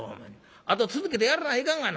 あと続けてやらないかんがな」。